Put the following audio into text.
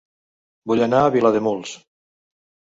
Vull anar a Vilademuls